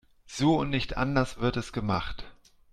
So und nicht anders wird es gemacht.